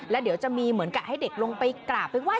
แล้วเดี๋ยวจะมีเหมือนกับให้เด็กลงไปกราบไปไห้